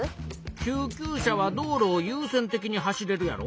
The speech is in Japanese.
救急車は道路をゆう先的に走れるやろ。